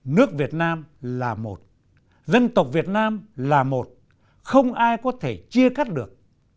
nước việt nam là một dân tộc việt nam là một không ai có thể chia cắt được